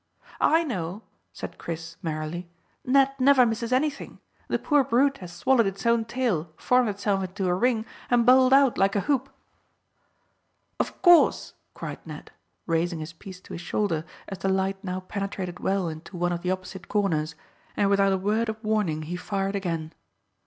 "I know," said Chris merrily; "Ned never misses anything. The poor brute has swallowed its own tail, formed itself into a ring, and bowled out like a hoop." "Of course," cried Ned, raising his piece to his shoulder, as the light now penetrated well into one of the opposite corners, and without a word of warning he fired again.